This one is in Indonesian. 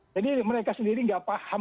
jadi mereka sendiri nggak paham